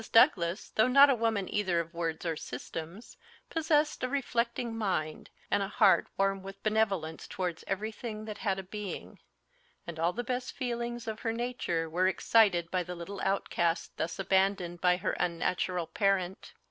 Douglas, though not a woman either of words or systems, possessed a reflecting mind, and a heart warm with benevolence towards everything that had a being; and all the best feelings of her nature were excited by the little outcast thus abandoned by her unnatural parent.